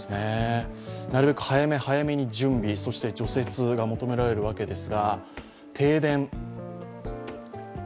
なるべく早め早めに準備そして除雪が求められるわけです。